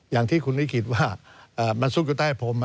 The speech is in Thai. อย่างที่คุณนิกิจว่ามันซุกอยู่ใต้ผม